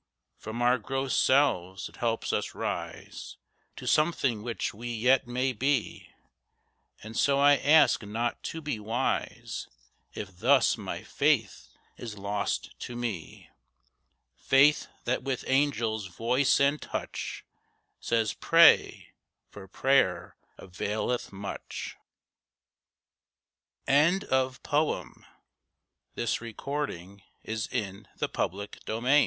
From our gross selves it helps us rise To something which we yet may be. And so I ask not to be wise, If thus my faith is lost to me. Faith, that with angel's voice and touch Says, "Pray, for prayer availeth much." IN THE LONG RUN In the long run fame finds the de